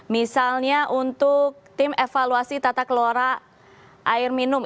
misalnya untuk tim evaluasi tata kelora air minum